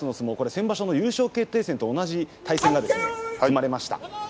先場所の優勝決定戦と同じ対戦が組まれました。